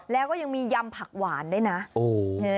แล้วก็ยังมียำผักหวานด้วยนะ